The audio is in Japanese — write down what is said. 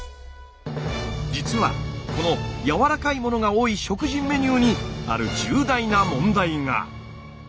実はこのやわらかいものが多い食事メニューにある重大な問題が。